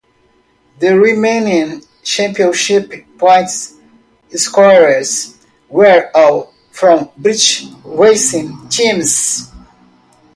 The remaining championship points scorers were all from British racing teams.